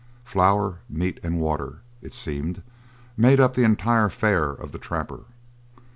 Flour, meat, and water, it seemed, made up the entire fare of the trapper.